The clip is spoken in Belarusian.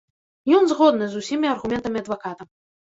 Ён згодны з усімі аргументамі адваката.